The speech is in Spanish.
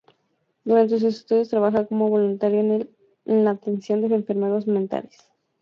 Durante sus estudios trabaja como voluntaria en la atención de enfermos mentales.